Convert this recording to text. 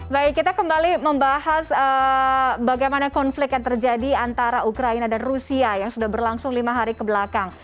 baik kita kembali membahas bagaimana konflik yang terjadi antara ukraina dan rusia yang sudah berlangsung lima hari kebelakang